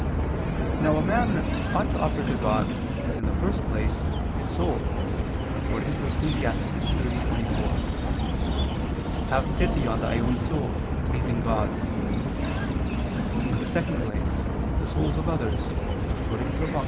Now a man ought to offer to God, in the first place, his soul, according to Ecclus. 30:24, "Have pity on thy own soul, pleasing God"; in the second place, the souls of others, according to Apoc.